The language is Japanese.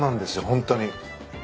ホントに。